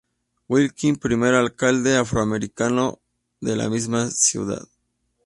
Wilkins, primer alcalde afroamericano de la misma ciudad.